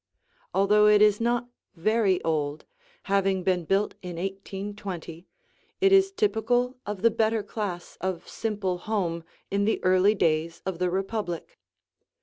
Although it is not very old, having been built in 1820, it is typical of the better class of simple home in the early days of the Republic.